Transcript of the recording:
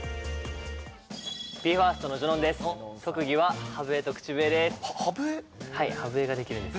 ＢＥＦＩＲＳＴのジュノンです。